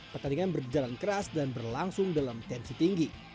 pertandingan berjalan keras dan berlangsung dalam tensi tinggi